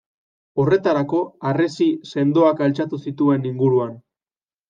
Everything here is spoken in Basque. Horretarako harresi sendoak altxatu zituen inguruan.